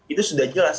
itu sudah jelas